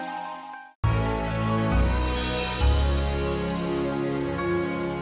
alhamdulillah warahmatullahi wabarakatuh